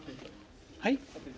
はい？